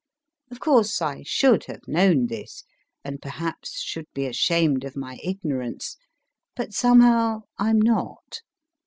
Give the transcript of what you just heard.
Of course I should have known this, and, 158 MY FIXST BOOK perhaps, should be ashamed of my ignorance, but, somehow I m not